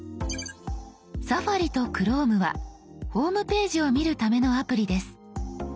「Ｓａｆａｒｉ」と「Ｃｈｒｏｍｅ」はホームページを見るためのアプリです。